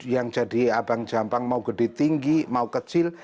yang jadi abang jampang mau gede tinggi mau kecil